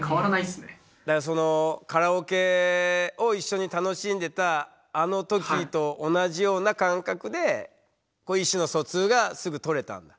だからそのカラオケを一緒に楽しんでたあの時と同じような感覚で意思の疎通がすぐとれたんだ？